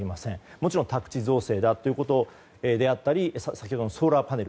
もちろん宅地造成だという話もあったり先ほどのソーラーパネル。